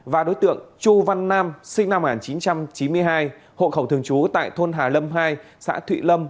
và đối tượng chu văn nam sinh năm một nghìn chín trăm chín mươi hai hộ khẩu thường trú tại thôn hà lâm hai xã thụy lâm